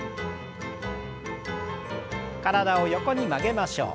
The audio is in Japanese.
体を横に曲げましょう。